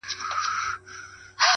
د اوښکو ته مو لپې لوښي کړې که نه!